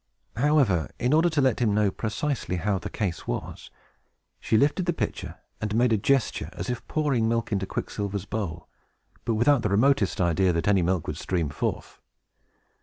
However, in order to let him know precisely how the case was, she lifted the pitcher, and made a gesture as if pouring milk into Quicksilver's bowl, but without the remotest idea that any milk would stream forth.